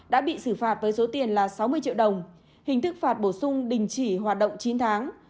đã bị xử phạt với số tiền là sáu mươi triệu đồng hình thức phạt bổ sung đình chỉ hoạt động chín tháng